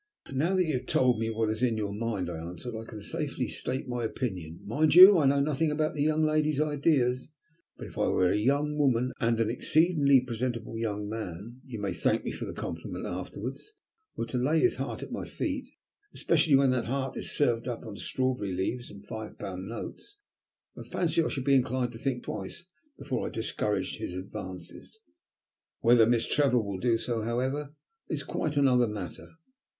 "Now that you have told me what is in your mind," I answered, "I can safely state my opinion. Mind you, I know nothing about the young lady's ideas, but if I were a young woman, and an exceedingly presentable young man you may thank me for the compliment afterwards were to lay his heart at my feet, especially when that heart is served up on strawberry leaves and five pound notes, I fancy I should be inclined to think twice before I discouraged his advances. Whether Miss Trevor will do so, however, is quite another matter."